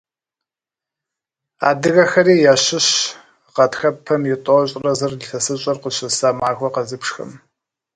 Адыгэхэри ящыщщ гъатхэпэм и тӏощӏрэ зыр илъэсыщӀэр къыщыса махуэу къэзыбжхэм.